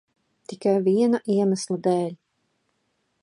Tikai viena iemesla dēļ.